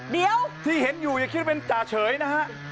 เดี๋ยวที่เห็นอยู่อย่าคิดว่าเป็นจ่าเฉยนะฮะ